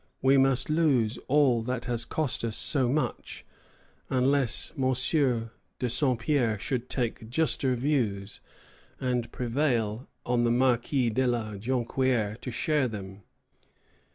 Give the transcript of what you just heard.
We must lose all that has cost us so much, unless M. de Saint Pierre should take juster views, and prevail on the Marquis de la Jonquière to share them.